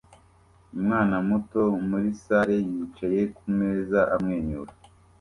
Umwana muto muri salle yicaye kumeza amwenyura